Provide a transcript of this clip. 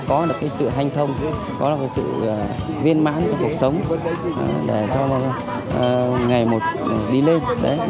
có được cái sự hành thông có được cái sự viên mãn của cuộc sống để cho ngày một đi lên